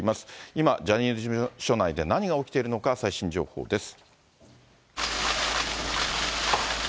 今、ジャニーズ事務所内で何が起きているのか、最新情報です。